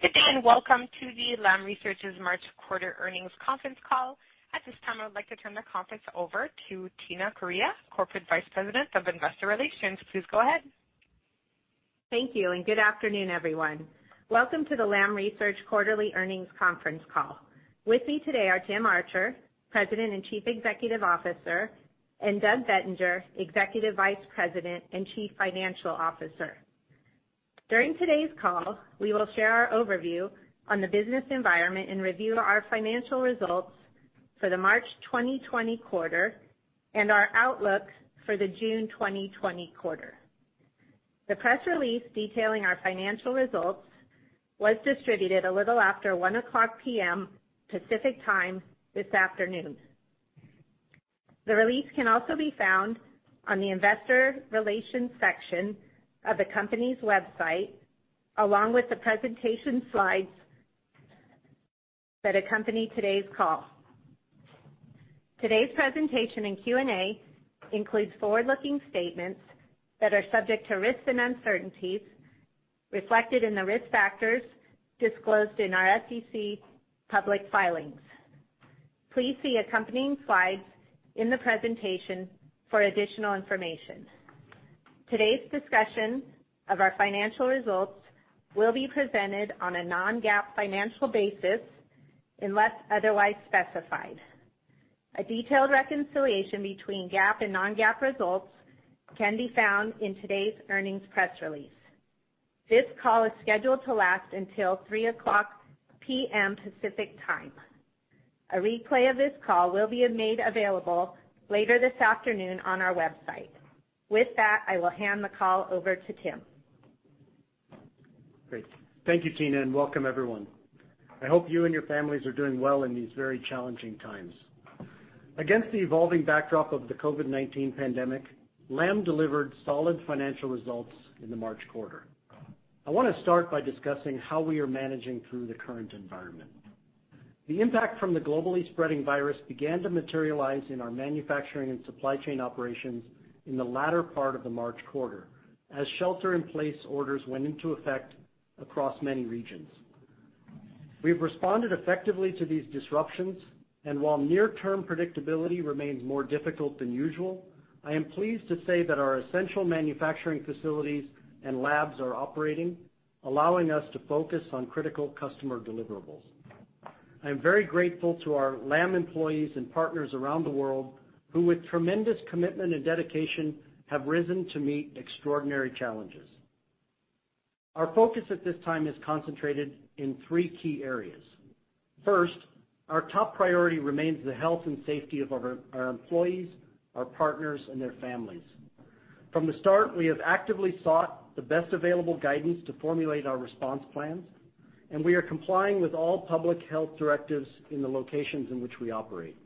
Good day, Welcome to the Lam Research's March quarter earnings conference call. At this time, I would like to turn the conference over to Tina Correia, Corporate Vice President of Investor Relations. Please go ahead. Thank you, and good afternoon, everyone. Welcome to the Lam Research quarterly earnings conference call. With me today are Tim Archer, President and Chief Executive Officer, and Douglas Bettinger, Executive Vice President and Chief Financial Officer. During today's call, we will share our overview on the business environment and review our financial results for the March 2020 quarter and our outlook for the June 2020 quarter. The press release detailing our financial results was distributed a little after 1:00 P.M. Pacific Time this afternoon. The release can also be found on the investor relations section of the company's website, along with the presentation slides that accompany today's call. Today's presentation and Q&A includes forward-looking statements that are subject to risks and uncertainties reflected in the risk factors disclosed in our SEC public filings. Please see accompanying slides in the presentation for additional information. Today's discussion of our financial results will be presented on a non-GAAP financial basis unless otherwise specified. A detailed reconciliation between GAAP and non-GAAP results can be found in today's earnings press release. This call is scheduled to last until 3:00 P.M. Pacific Time. A replay of this call will be made available later this afternoon on our website. With that, I will hand the call over to Tim. Great. Thank you, Tina, and welcome everyone. I hope you and your families are doing well in these very challenging times. Against the evolving backdrop of the COVID-19 pandemic, Lam delivered solid financial results in the March quarter. I want to start by discussing how we are managing through the current environment. The impact from the globally spreading virus began to materialize in our manufacturing and supply chain operations in the latter part of the March quarter as shelter-in-place orders went into effect across many regions. We've responded effectively to these disruptions, and while near-term predictability remains more difficult than usual, I am pleased to say that our essential manufacturing facilities and labs are operating, allowing us to focus on critical customer deliverables. I am very grateful to our Lam employees and partners around the world who, with tremendous commitment and dedication, have risen to meet extraordinary challenges. Our focus at this time is concentrated in three key areas. First, our top priority remains the health and safety of our employees, our partners, and their families. From the start, we have actively sought the best available guidance to formulate our response plans, and we are complying with all public health directives in the locations in which we operate.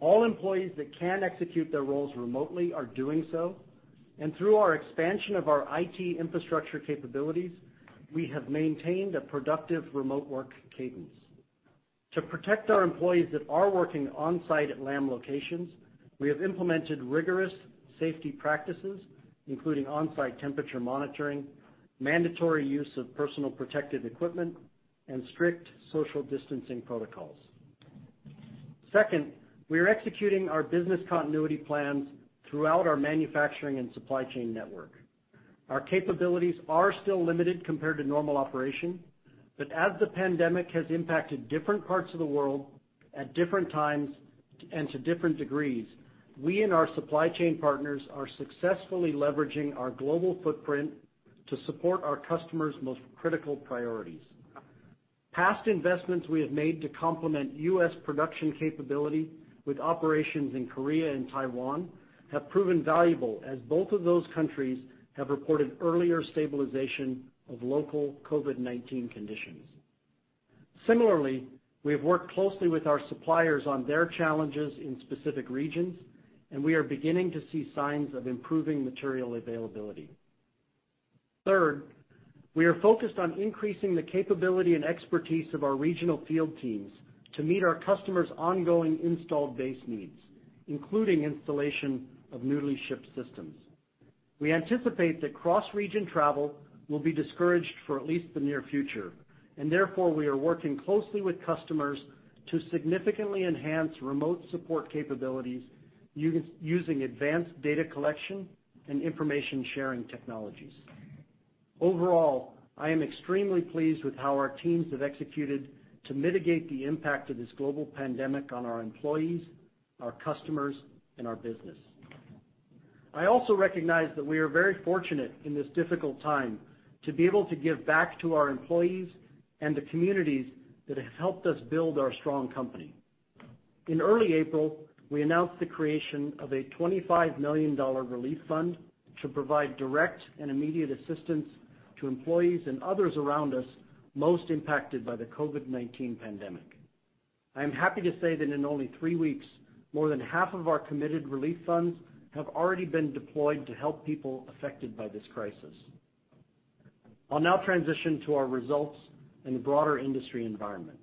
All employees that can execute their roles remotely are doing so, and through our expansion of our IT infrastructure capabilities, we have maintained a productive remote work cadence. To protect our employees that are working on-site at Lam locations, we have implemented rigorous safety practices, including on-site temperature monitoring, mandatory use of personal protective equipment, and strict social distancing protocols. Second, we are executing our business continuity plans throughout our manufacturing and supply chain network. Our capabilities are still limited compared to normal operation, but as the pandemic has impacted different parts of the world at different times and to different degrees, we and our supply chain partners are successfully leveraging our global footprint to support our customers' most critical priorities. Past investments we have made to complement U.S. production capability with operations in Korea and Taiwan have proven valuable as both of those countries have reported earlier stabilization of local COVID-19 conditions. Similarly, we have worked closely with our suppliers on their challenges in specific regions, and we are beginning to see signs of improving material availability. Third, we are focused on increasing the capability and expertise of our regional field teams to meet our customers' ongoing installed base needs, including installation of newly shipped systems. We anticipate that cross-region travel will be discouraged for at least the near future, and therefore, we are working closely with customers to significantly enhance remote support capabilities using advanced data collection and information-sharing technologies. Overall, I am extremely pleased with how our teams have executed to mitigate the impact of this global pandemic on our employees, our customers, and our business. I also recognize that we are very fortunate in this difficult time to be able to give back to our employees and the communities that have helped us build our strong company. In early April, we announced the creation of a $25 million relief fund to provide direct and immediate assistance to employees and others around us most impacted by the COVID-19 pandemic. I am happy to say that in only three weeks, more than half of our committed relief funds have already been deployed to help people affected by this crisis. I'll now transition to our results and the broader industry environment.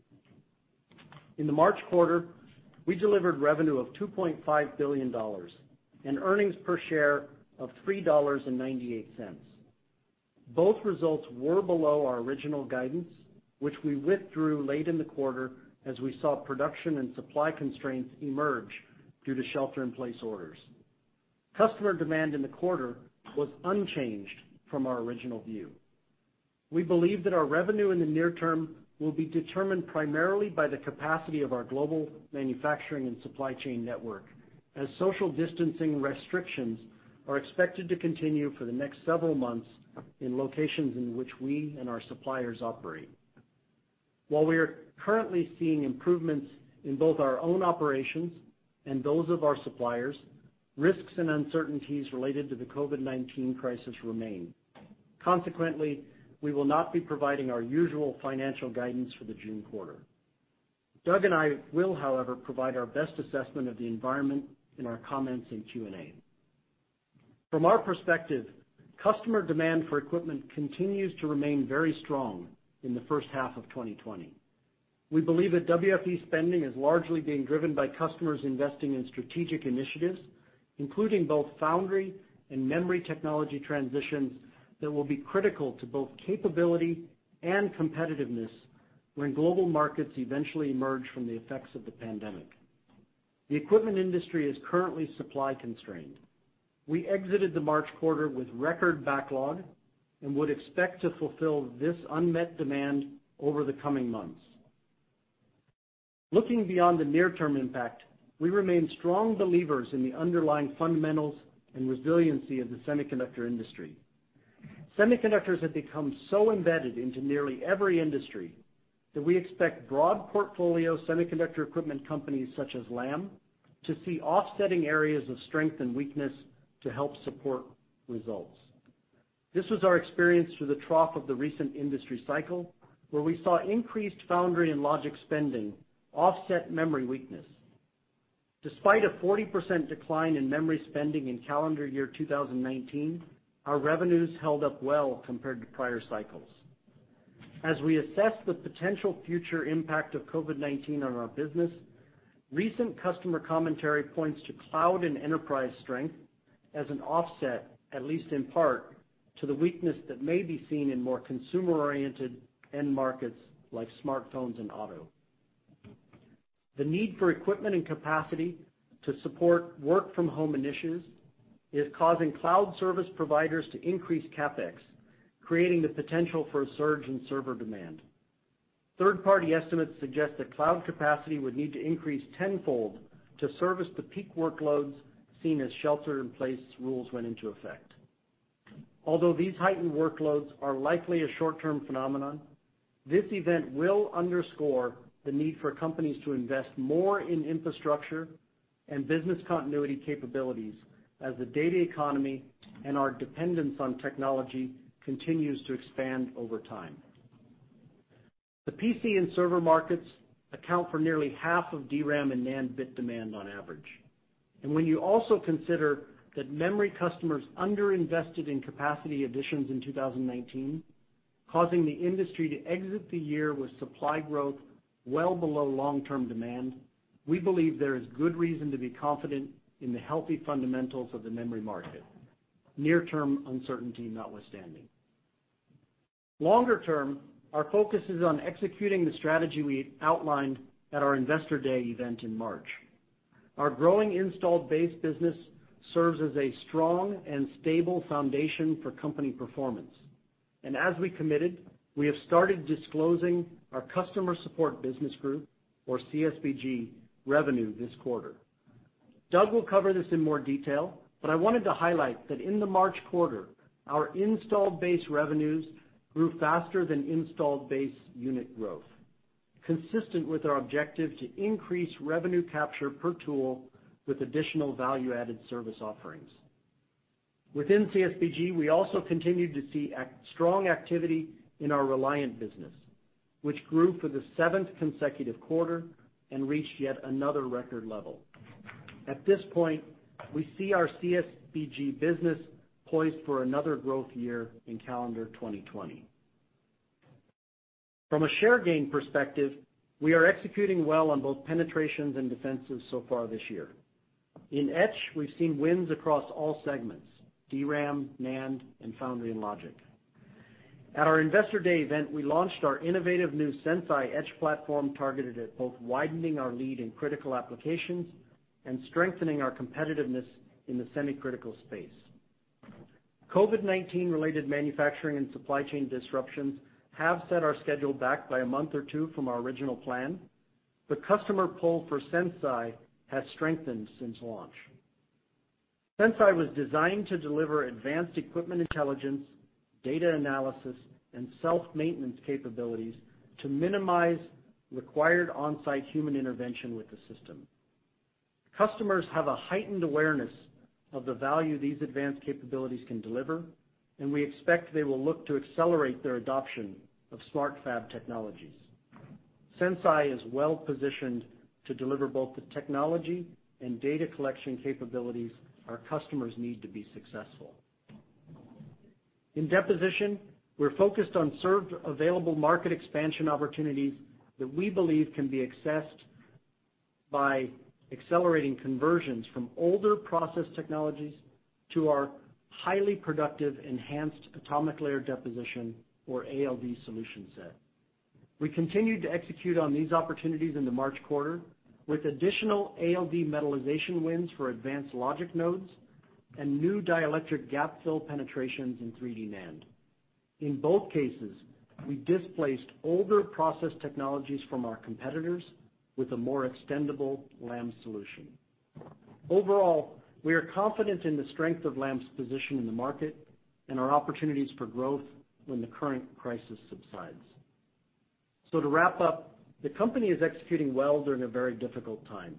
In the March quarter, we delivered revenue of $2.5 billion and earnings per share of $3.98. Both results were below our original guidance, which we withdrew late in the quarter as we saw production and supply constraints emerge due to shelter-in-place orders. Customer demand in the quarter was unchanged from our original view. We believe that our revenue in the near term will be determined primarily by the capacity of our global manufacturing and supply chain network, as social distancing restrictions are expected to continue for the next several months in locations in which we and our suppliers operate. While we are currently seeing improvements in both our own operations and those of our suppliers, risks and uncertainties related to the COVID-19 crisis remain. Consequently, we will not be providing our usual financial guidance for the June quarter. Doug and I will, however, provide our best assessment of the environment in our comments in Q&A. From our perspective, customer demand for equipment continues to remain very strong in the first half of 2020. We believe that WFE spending is largely being driven by customers investing in strategic initiatives, including both foundry and memory technology transitions that will be critical to both capability and competitiveness when global markets eventually emerge from the effects of the pandemic. The equipment industry is currently supply-constrained. We exited the March quarter with record backlog and would expect to fulfill this unmet demand over the coming months. Looking beyond the near-term impact, we remain strong believers in the underlying fundamentals and resiliency of the semiconductor industry. Semiconductors have become so embedded into nearly every industry that we expect broad portfolio semiconductor equipment companies such as Lam to see offsetting areas of strength and weakness to help support results. This was our experience through the trough of the recent industry cycle, where we saw increased foundry and logic spending offset memory weakness. Despite a 40% decline in memory spending in calendar year 2019, our revenues held up well compared to prior cycles. As we assess the potential future impact of COVID-19 on our business, recent customer commentary points to cloud and enterprise strength as an offset, at least in part, to the weakness that may be seen in more consumer-oriented end markets like smartphones and auto. The need for equipment and capacity to support work-from-home initiatives is causing cloud service providers to increase CapEx, creating the potential for a surge in server demand. Third-party estimates suggest that cloud capacity would need to increase tenfold to service the peak workloads seen as shelter-in-place rules went into effect. Although these heightened workloads are likely a short-term phenomenon, this event will underscore the need for companies to invest more in infrastructure and business continuity capabilities as the data economy and our dependence on technology continues to expand over time. The PC and server markets account for nearly half of DRAM and NAND bit demand on average. When you also consider that memory customers underinvested in capacity additions in 2019, causing the industry to exit the year with supply growth well below long-term demand, we believe there is good reason to be confident in the healthy fundamentals of the memory market, near-term uncertainty notwithstanding. Longer term, our focus is on executing the strategy we outlined at our Investor Day event in March. Our growing installed base business serves as a strong and stable foundation for company performance. As we committed, we have started disclosing our customer support business group, or CSBG, revenue this quarter. Doug will cover this in more detail, but I wanted to highlight that in the March quarter, our installed base revenues grew faster than installed base unit growth, consistent with our objective to increase revenue capture per tool with additional value-added service offerings. Within CSBG, we also continued to see strong activity in our Reliant business, which grew for the seventh consecutive quarter and reached yet another record level. At this point, we see our CSBG business poised for another growth year in calendar 2020. From a share gain perspective, we are executing well on both penetrations and defensives so far this year. In Etch, we've seen wins across all segments, DRAM, NAND, and foundry and logic. At our Investor Day event, we launched our innovative new Sense.i Etch platform targeted at both widening our lead in critical applications and strengthening our competitiveness in the semi-critical space. COVID-19-related manufacturing and supply chain disruptions have set our schedule back by a month or two from our original plan, but customer pull for Sense.i has strengthened since launch. Sense.i was designed to deliver advanced equipment intelligence, data analysis, and self-maintenance capabilities to minimize required on-site human intervention with the system. Customers have a heightened awareness of the value these advanced capabilities can deliver, and we expect they will look to accelerate their adoption of smart fab technologies. Sense.i is well-positioned to deliver both the technology and data collection capabilities our customers need to be successful. In deposition, we're focused on served available market expansion opportunities that we believe can be accessed by accelerating conversions from older process technologies to our highly productive enhanced atomic layer deposition, or ALD solution set. We continued to execute on these opportunities in the March quarter with additional ALD metallization wins for advanced logic nodes and new dielectric gap fill penetrations in 3D NAND. In both cases, we displaced older process technologies from our competitors with a more extendable Lam solution. Overall, we are confident in the strength of Lam's position in the market and our opportunities for growth when the current crisis subsides. To wrap up, the company is executing well during a very difficult time.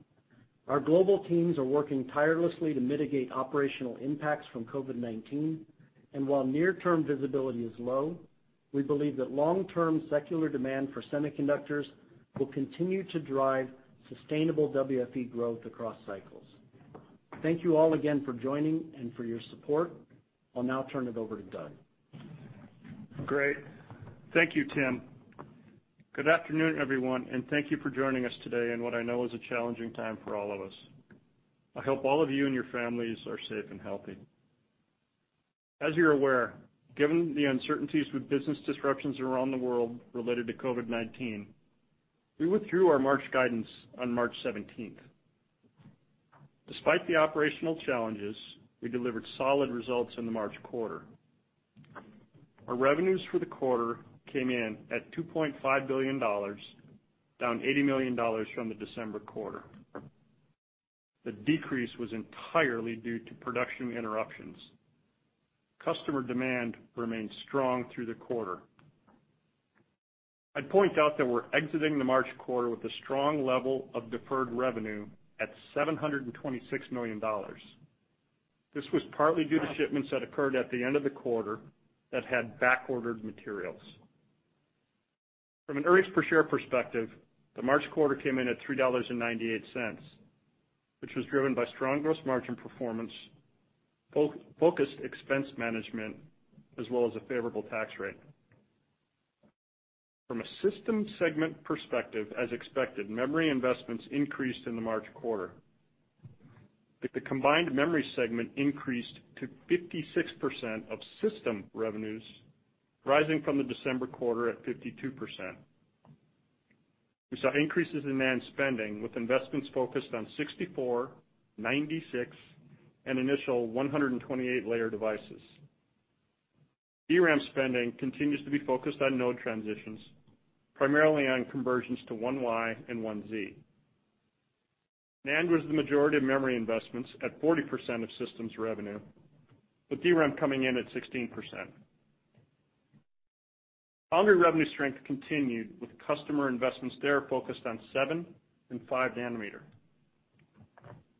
Our global teams are working tirelessly to mitigate operational impacts from COVID-19. While near-term visibility is low, we believe that long-term secular demand for semiconductors will continue to drive sustainable WFE growth across cycles. Thank you all again for joining and for your support. I'll now turn it over to Douglas. Great. Thank you, Tim. Good afternoon, everyone. Thank you for joining us today in what I know is a challenging time for all of us. I hope all of you and your families are safe and healthy. As you're aware, given the uncertainties with business disruptions around the world related to COVID-19, we withdrew our March guidance on March 17th. Despite the operational challenges, we delivered solid results in the March quarter. Our revenues for the quarter came in at $2.5 billion, down $80 million from the December quarter. The decrease was entirely due to production interruptions. Customer demand remained strong through the quarter. I'd point out that we're exiting the March quarter with a strong level of deferred revenue at $726 million. This was partly due to shipments that occurred at the end of the quarter that had back-ordered materials. From an earnings per share perspective, the March quarter came in at $3.98, which was driven by strong gross margin performance, focused expense management, as well as a favorable tax rate. From a systems segment perspective, as expected, memory investments increased in the March quarter, with the combined memory segment increased to 56% of system revenues, rising from the December quarter at 52%. We saw increases in NAND spending, with investments focused on 64, 96, and initial 128-layer devices. DRAM spending continues to be focused on node transitions, primarily on conversions to 1Y and 1Z. NAND was the majority of memory investments at 40% of systems revenue, with DRAM coming in at 16%. Foundry revenue strength continued, with customer investments there focused on seven and five nanometer.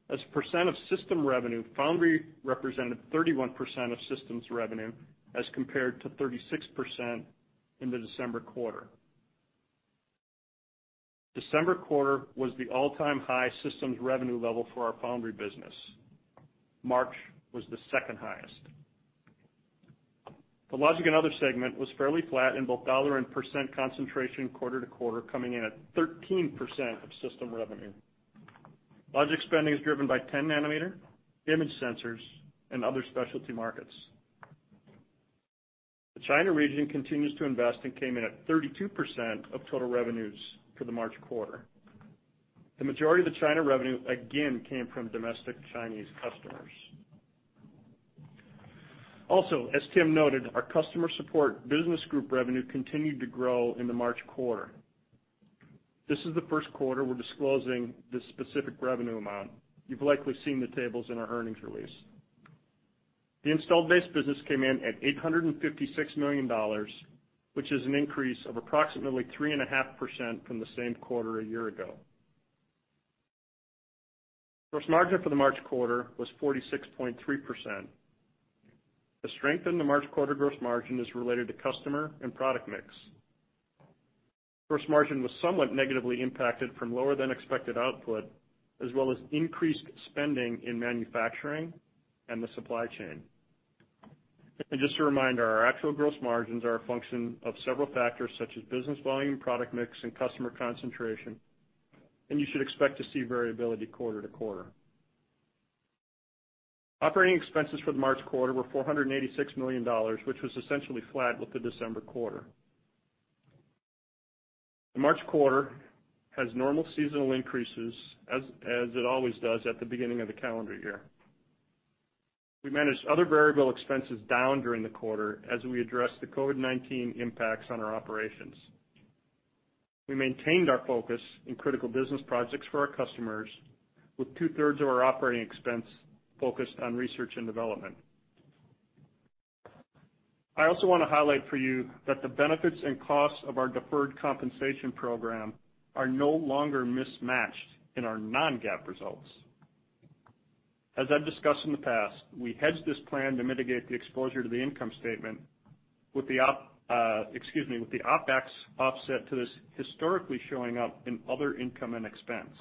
As a percent of system revenue, foundry represented 31% of systems revenue as compared to 36% in the December quarter. December quarter was the all-time high systems revenue level for our foundry business. March was the second highest. The logic and other segment was fairly flat in both dollar and percent concentration quarter to quarter, coming in at 13% of system revenue. Logic spending is driven by 10 nanometer, image sensors, and other specialty markets. The China region continues to invest and came in at 32% of total revenues for the March quarter. The majority of the China revenue again came from domestic Chinese customers. Also, as Tim noted, our Customer Support Business Group revenue continued to grow in the March quarter. This is the first quarter we're disclosing this specific revenue amount. You've likely seen the tables in our earnings release. The installed base business came in at $856 million, which is an increase of approximately 3.5% from the same quarter a year ago. Gross margin for the March quarter was 46.3%. The strength in the March quarter gross margin is related to customer and product mix. Gross margin was somewhat negatively impacted from lower than expected output, as well as increased spending in manufacturing and the supply chain. Just a reminder, our actual gross margins are a function of several factors such as business volume, product mix, and customer concentration, and you should expect to see variability quarter to quarter. Operating expenses for the March quarter were $486 million, which was essentially flat with the December quarter. The March quarter has normal seasonal increases, as it always does at the beginning of the calendar year. We managed other variable expenses down during the quarter as we addressed the COVID-19 impacts on our operations. We maintained our focus in critical business projects for our customers, with 2/3 of our operating expense focused on research and development. I also want to highlight for you that the benefits and costs of our deferred compensation program are no longer mismatched in our non-GAAP results. As I've discussed in the past, we hedged this plan to mitigate the exposure to the income statement with the OpEx offset to this historically showing up in other income and expense.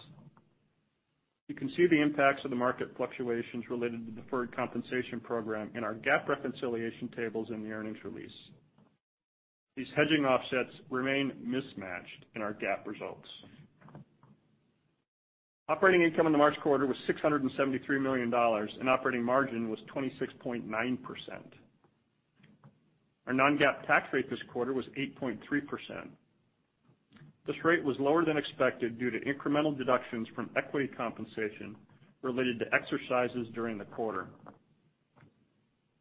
You can see the impacts of the market fluctuations related to deferred compensation program in our GAAP reconciliation tables in the earnings release. These hedging offsets remain mismatched in our GAAP results. Operating income in the March quarter was $673 million and operating margin was 26.9%. Our non-GAAP tax rate this quarter was 8.3%. This rate was lower than expected due to incremental deductions from equity compensation related to exercises during the quarter.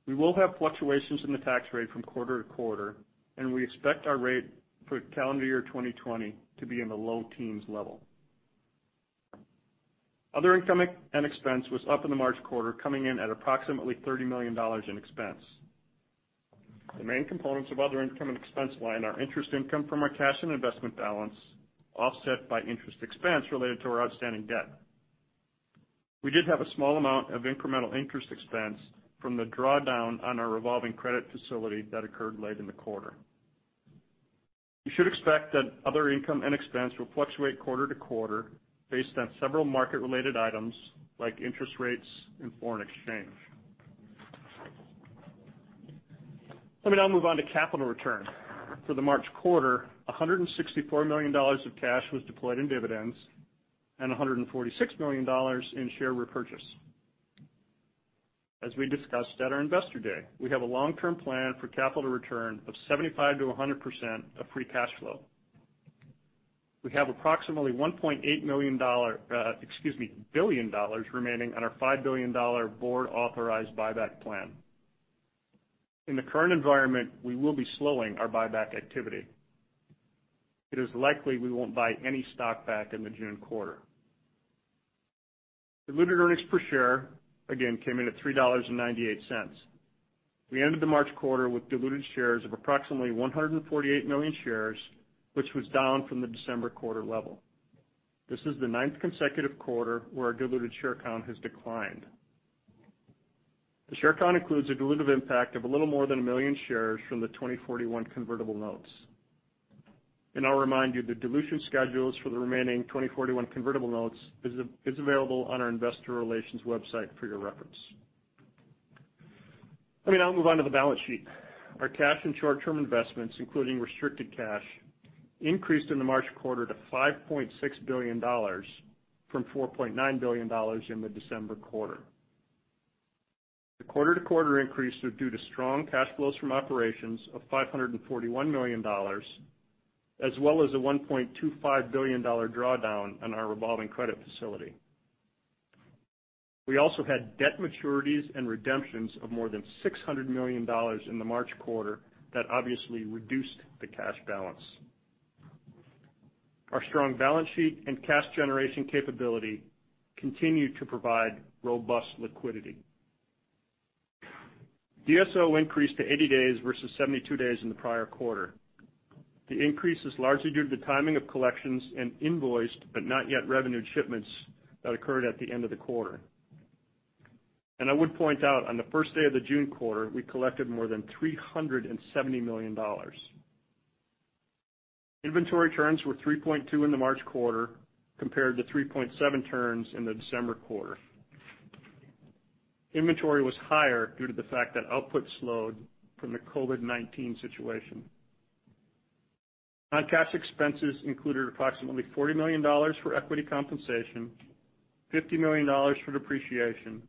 We will have fluctuations in the tax rate from quarter to quarter, and we expect our rate for calendar year 2020 to be in the low 10s level. Other income and expense was up in the March quarter, coming in at approximately $30 million in expense. The main components of other income and expense line are interest income from our cash and investment balance, offset by interest expense related to our outstanding debt. We did have a small amount of incremental interest expense from the drawdown on our revolving credit facility that occurred late in the quarter. You should expect that other income and expense will fluctuate quarter to quarter based on several market-related items like interest rates and foreign exchange. Let me now move on to capital return. For the March quarter, $164 million of cash was deployed in dividends and $146 million in share repurchase. As we discussed at our Investor Day, we have a long-term plan for capital return of 75%-100% of free cash flow. We have approximately $1.8 billion remaining on our $5 billion board-authorized buyback plan. In the current environment, we will be slowing our buyback activity. It is likely we won't buy any stock back in the June quarter. Diluted earnings per share, again, came in at $3.98. We ended the March quarter with diluted shares of approximately 148 million shares, which was down from the December quarter level. This is the ninth consecutive quarter where our diluted share count has declined. The share count includes a dilutive impact of a little more than a million shares from the 2041 convertible notes. I'll remind you, the dilution schedules for the remaining 2041 convertible notes is available on our investor relations website for your reference. Let me now move on to the balance sheet. Our cash and short-term investments, including restricted cash, increased in the March quarter to $5.6 billion from $4.9 billion in the December quarter. The quarter-to-quarter increase was due to strong cash flows from operations of $541 million, as well as a $1.25 billion drawdown on our revolving credit facility. We also had debt maturities and redemptions of more than $600 million in the March quarter that obviously reduced the cash balance. Our strong balance sheet and cash generation capability continue to provide robust liquidity. DSO increased to 80 days versus 72 days in the prior quarter. The increase is largely due to the timing of collections and invoiced, but not yet revenued shipments that occurred at the end of the quarter. I would point out, on the first day of the June quarter, we collected more than $370 million. Inventory turns were 3.2 in the March quarter compared to 3.7 turns in the December quarter. Inventory was higher due to the fact that output slowed from the COVID-19 situation. Non-cash expenses included approximately $40 million for equity compensation, $50 million for depreciation,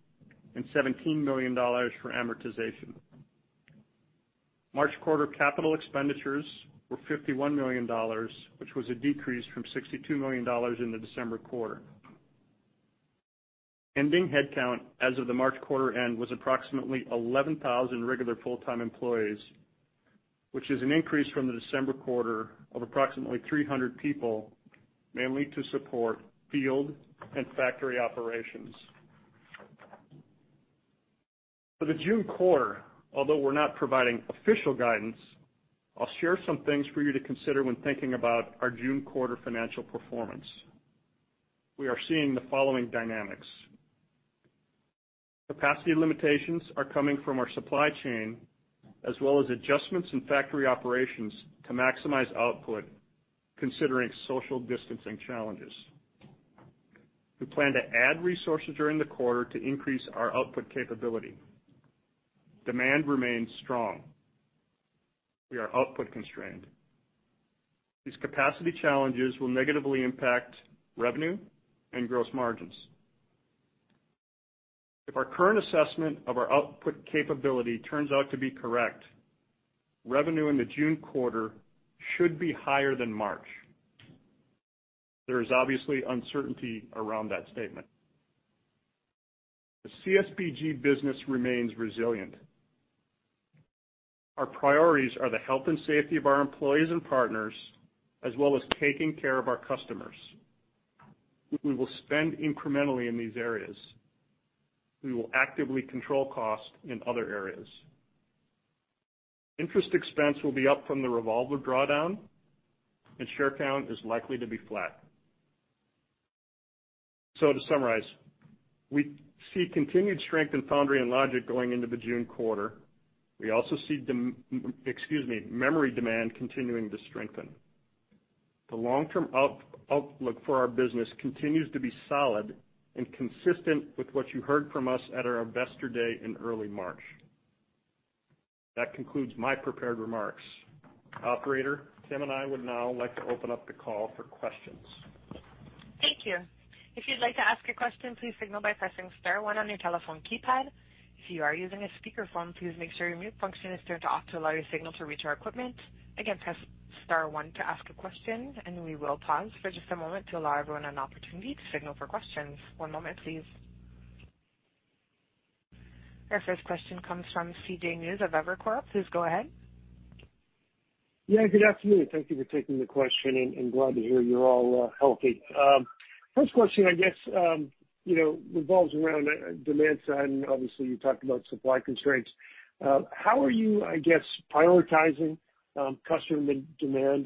and $17 million for amortization. March quarter capital expenditures were $51 million, which was a decrease from $62 million in the December quarter. Ending headcount as of the March quarter end was approximately 11,000 regular full-time employees, which is an increase from the December quarter of approximately 300 people, mainly to support field and factory operations. For the June quarter, although we're not providing official guidance, I'll share some things for you to consider when thinking about our June quarter financial performance. We are seeing the following dynamics. Capacity limitations are coming from our supply chain, as well as adjustments in factory operations to maximize output considering social distancing challenges. We plan to add resources during the quarter to increase our output capability. Demand remains strong. We are output constrained. These capacity challenges will negatively impact revenue and gross margins. If our current assessment of our output capability turns out to be correct, revenue in the June quarter should be higher than March. There is obviously uncertainty around that statement. The CSBG business remains resilient. Our priorities are the health and safety of our employees and partners, as well as taking care of our customers. We will spend incrementally in these areas. We will actively control cost in other areas. Interest expense will be up from the revolver drawdown, and share count is likely to be flat. To summarize, we see continued strength in foundry and logic going into the June quarter. We also see memory demand continuing to strengthen. The long-term outlook for our business continues to be solid and consistent with what you heard from us at our Investor Day in early March. That concludes my prepared remarks. Operator, Tim and I would now like to open up the call for questions. Thank you. If you'd like to ask a question, please signal by pressing star one on your telephone keypad. If you are using a speakerphone, please make sure your mute function is turned off to allow your signal to reach our equipment. Again, press star one to ask a question, and we will pause for just a moment to allow everyone an opportunity to signal for questions. One moment please. Our first question comes from CJ Muse of Evercore. Please go ahead. Yeah, good afternoon. Thank you for taking the question, and glad to hear you're all healthy. First question, I guess, revolves around demand side, and obviously you talked about supply constraints. How are you, I guess, prioritizing customer demand?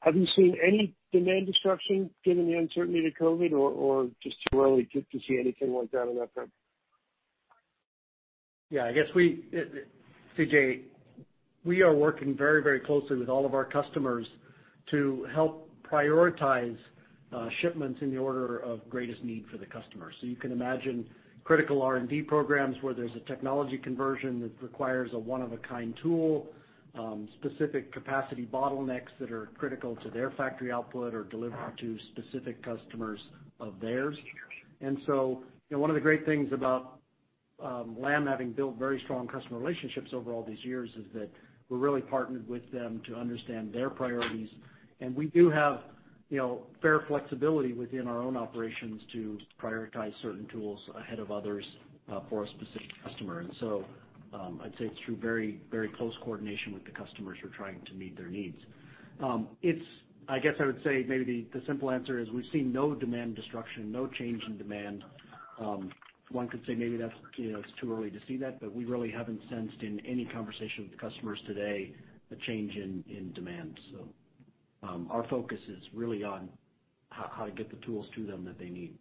Have you seen any demand destruction given the uncertainty to COVID, or just too early to see anything like that on that front? Yeah, CJ, we are working very closely with all of our customers to help prioritize shipments in the order of greatest need for the customer. You can imagine critical R&D programs where there's a technology conversion that requires a one-of-a-kind tool, specific capacity bottlenecks that are critical to their factory output or delivered to specific customers of theirs. One of the great things about Lam having built very strong customer relationships over all these years is that we're really partnered with them to understand their priorities. We do have fair flexibility within our own operations to prioritize certain tools ahead of others for a specific customer. I'd say it's through very close coordination with the customers we're trying to meet their needs. I guess I would say maybe the simple answer is we've seen no demand destruction, no change in demand. One could say maybe it's too early to see that, but we really haven't sensed in any conversation with customers today a change in demand. Our focus is really on how to get the tools to them that they need.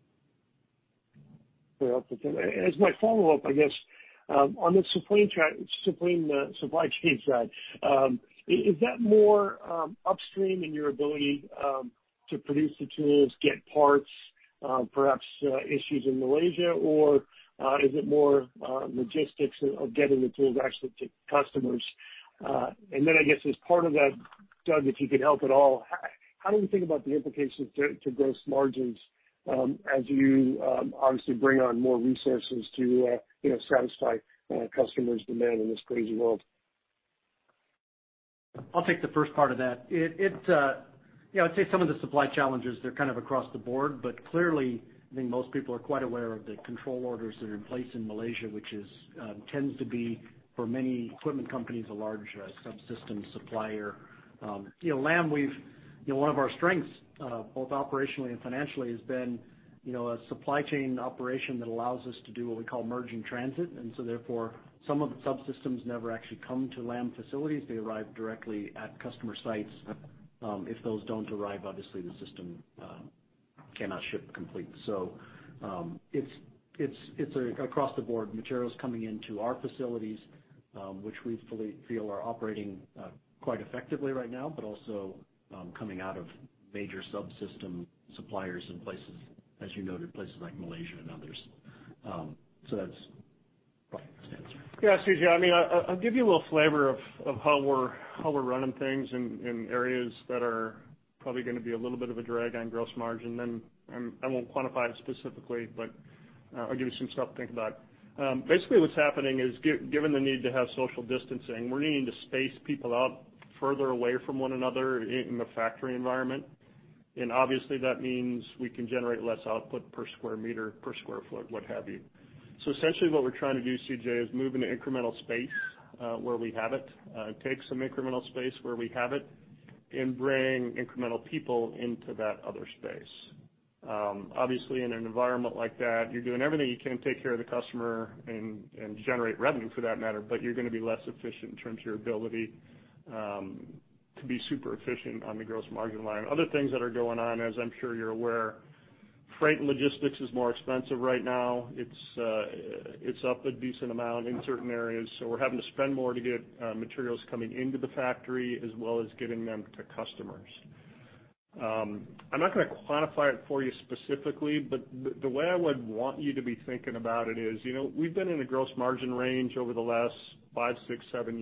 Very helpful, Tim. As my follow-up, I guess, on the supply chain side, is that more upstream in your ability to produce the tools, get parts, perhaps issues in Malaysia, or is it more logistics of getting the tools actually to customers? I guess as part of that, Douglas, if you could help at all, how do we think about the implications to gross margins as you obviously bring on more resources to satisfy customers' demand in this crazy world? I'll take the first part of that. I'd say some of the supply challenges, they're kind of across the board. Clearly, I think most people are quite aware of the control orders that are in place in Malaysia, which tends to be, for many equipment companies, a large subsystem supplier. Lam, one of our strengths both operationally and financially, has been a supply chain operation that allows us to do what we call merge in transit. Therefore, some of the subsystems never actually come to Lam facilities. They arrive directly at customer sites. If those don't arrive, obviously the system cannot ship complete. It's across the board, materials coming into our facilities, which we feel are operating quite effectively right now, but also coming out of major subsystem suppliers in places, as you noted, places like Malaysia and others. That's probably the best answer. Yeah, CJ, I'll give you a little flavor of how we're running things in areas that are probably going to be a little bit of a drag on gross margin then. I won't quantify it specifically, but I'll give you some stuff to think about. Basically, what's happening is, given the need to have social distancing, we're needing to space people out further away from one another in the factory environment. Obviously, that means we can generate less output per square meter, per square foot, what have you. Essentially what we're trying to do, CJ, is move into incremental space, where we have it, take some incremental space where we have it, and bring incremental people into that other space. Obviously, in an environment like that, you're doing everything you can to take care of the customer and generate revenue for that matter, but you're going to be less efficient in terms of your ability to be super efficient on the gross margin line. Other things that are going on, as I'm sure you're aware, freight and logistics is more expensive right now. It's up a decent amount in certain areas, so we're having to spend more to get materials coming into the factory as well as getting them to customers. I'm not going to quantify it for you specifically, but the way I would want you to be thinking about it is, we've been in a gross margin range over the last five, six, seven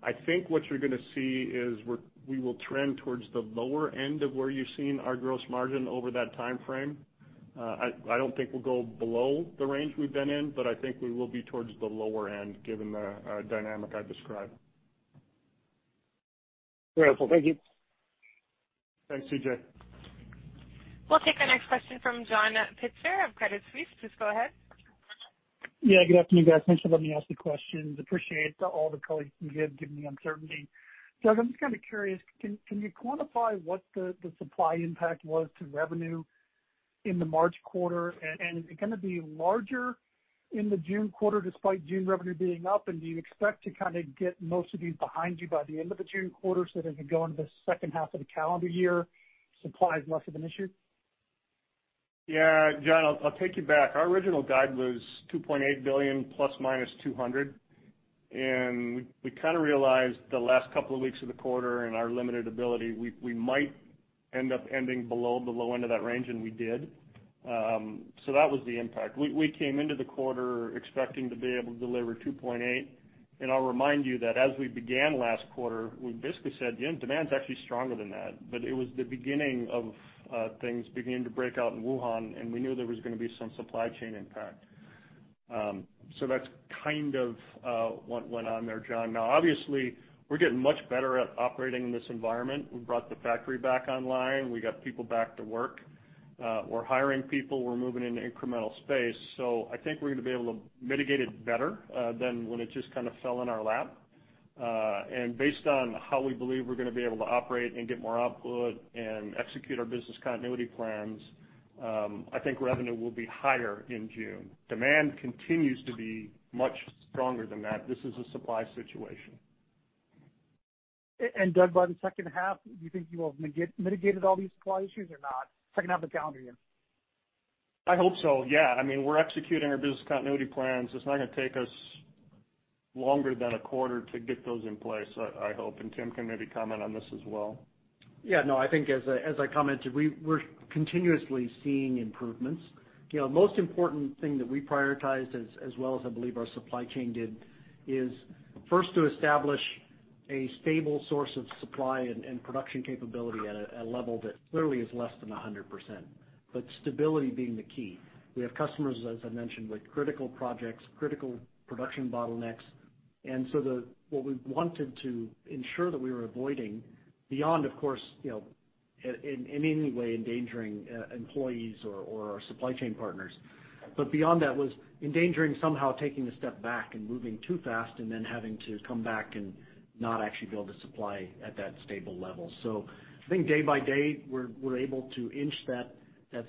years. I think what you're going to see is we will trend towards the lower end of where you've seen our gross margin over that time frame. I don't think we'll go below the range we've been in, but I think we will be towards the lower end, given the dynamic I described. Very helpful. Thank you. Thanks, CJ. We'll take our next question from John Pitzer of Credit Suisse. Please go ahead. Yeah, good afternoon, guys. Thanks for letting me ask the question. Appreciate all the color you can give, given the uncertainty. Douglas, I'm just kind of curious, can you quantify what the supply impact was to revenue in the March quarter? Is it going to be larger in the June quarter despite June revenue being up, and do you expect to get most of these behind you by the end of the June quarter so that as you go into the second half of the calendar year, supply is less of an issue? Yeah, John, I'll take you back. Our original guide was $2.8 billion ±$200. We kind of realized the last couple of weeks of the quarter and our limited ability, we might end up ending below the low end of that range, and we did. That was the impact. We came into the quarter expecting to be able to deliver $2.8 billion, and I'll remind you that as we began last quarter, we basically said, "Yeah, demand's actually stronger than that." It was the beginning of things beginning to break out in Wuhan, and we knew there was going to be some supply chain impact. That's kind of what went on there, John. Now, obviously, we're getting much better at operating in this environment. We've brought the factory back online. We got people back to work. We're hiring people. We're moving into incremental space. I think we're going to be able to mitigate it better than when it just kind of fell in our lap. Based on how we believe we're going to be able to operate and get more output and execute our business continuity plans, I think revenue will be higher in June. Demand continues to be much stronger than that. This is a supply situation. Douglas, by the second half, do you think you will have mitigated all these supply issues or not, second half of the calendar year? I hope so, yeah. We're executing our business continuity plans. It's not going to take us longer than a quarter to get those in place, I hope. Tim can maybe comment on this as well. Yeah, no, I think as I commented, we're continuously seeing improvements. Most important thing that we prioritized as well as I believe our supply chain did, is first to establish a stable source of supply and production capability at a level that clearly is less than 100%, but stability being the key. We have customers, as I mentioned, with critical projects, critical production bottlenecks. What we wanted to ensure that we were avoiding beyond, of course, in any way endangering employees or our supply chain partners. Beyond that was endangering somehow taking a step back and moving too fast and then having to come back and not actually be able to supply at that stable level. I think day by day, we're able to inch that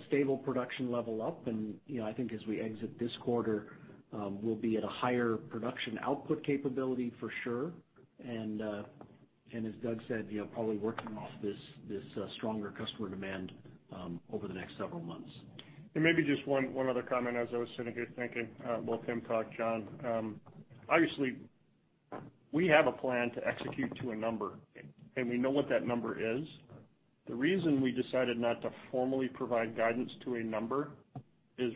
stable production level up, and I think as we exit this quarter, we'll be at a higher production output capability for sure. As Doug said, probably working off this stronger customer demand over the next several months. Maybe just one other comment as I was sitting here thinking while Tim talked, John. Obviously, we have a plan to execute to a number, and we know what that number is. The reason we decided not to formally provide guidance to a number is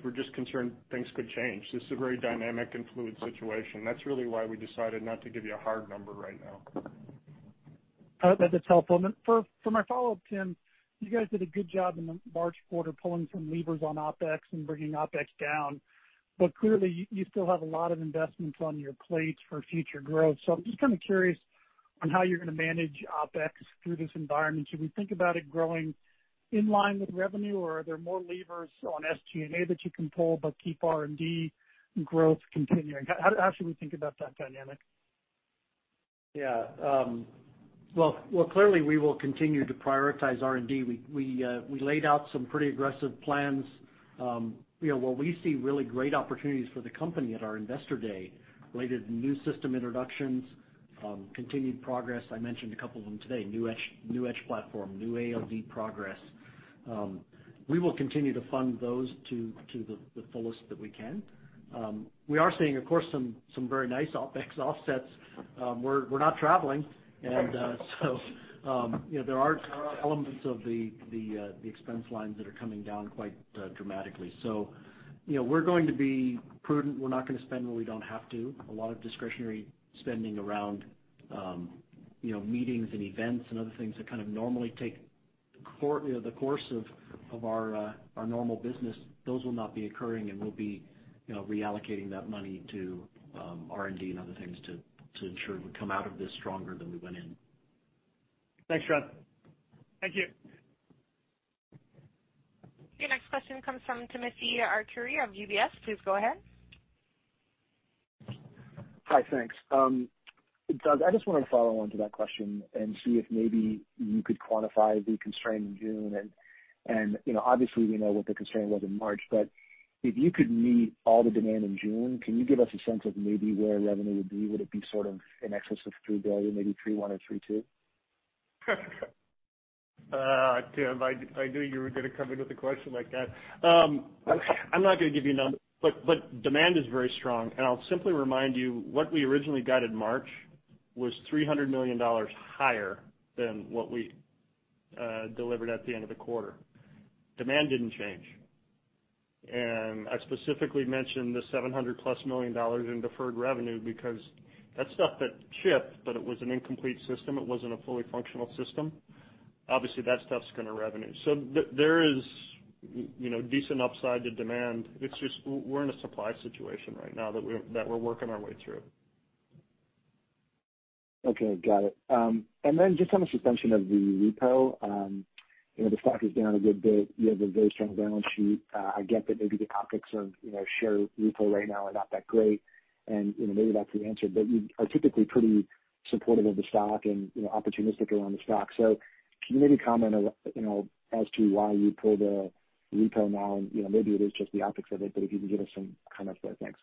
we're just concerned things could change. This is a very dynamic and fluid situation. That's really why we decided not to give you a hard number right now. That's helpful. For my follow-up, Tim, you guys did a good job in the March quarter pulling some levers on OpEx and bringing OpEx down. Clearly, you still have a lot of investments on your plate for future growth. I'm just kind of curious on how you're going to manage OpEx through this environment. Should we think about it growing in line with revenue, are there more levers on SG&A that you can pull but keep R&D growth continuing? How should we think about that dynamic? Well, clearly, we will continue to prioritize R&D. We laid out some pretty aggressive plans. What we see really great opportunities for the company at our Investor Day related to new system introductions, continued progress. I mentioned a couple of them today, new Etch platform, new ALD progress. We will continue to fund those to the fullest that we can. We are seeing, of course, some very nice OpEx offsets. We're not traveling, there are elements of the expense lines that are coming down quite dramatically. We're going to be prudent. We're not going to spend where we don't have to. A lot of discretionary spending around meetings and events and other things that kind of normally take the course of our normal business, those will not be occurring, and we'll be reallocating that money to R&D and other things to ensure we come out of this stronger than we went in. Thanks, John. Thank you. Your next question comes from Timothy Arcuri of UBS. Please go ahead. Hi, thanks. Douglas, I just want to follow on to that question and see if maybe you could quantify the constraint in June. Obviously, we know what the constraint was in March, but if you could meet all the demand in June, can you give us a sense of maybe where revenue would be? Would it be sort of in excess of $3 billion, maybe $3.1 or $3.2? Tim, I knew you were going to come in with a question like that. I'm not going to give you a number, but demand is very strong, and I'll simply remind you what we originally guided March was $300 million higher than what we delivered at the end of the quarter. Demand didn't change. I specifically mentioned the $700 plus million dollars in deferred revenue because that's stuff that shipped, but it was an incomplete system. It wasn't a fully functional system. Obviously, that stuff's going to revenue. There is decent upside to demand. It's just we're in a supply situation right now that we're working our way through. Okay, got it. Just on the suspension of the repo, the stock is down a good bit. You have a very strong balance sheet. I get that maybe the topics of share repo right now are not that great, and maybe that's the answer, but you are typically pretty supportive of the stock and opportunistic around the stock. Can you maybe comment as to why you pulled the repo now? Maybe it is just the optics of it, but if you can give us some comment there. Thanks.